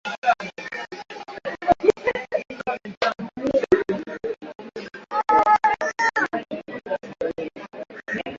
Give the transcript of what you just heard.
Ugonjwa unaweza kusambazwa kwa hewa baina ya wanyama wazioathirika na wazima